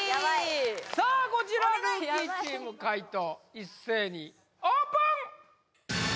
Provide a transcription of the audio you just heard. さあこちらルーキーチーム解答一斉にオープン！